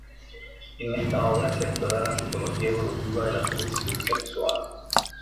En esta obra se explora la psicología evolutiva de la selección sexual.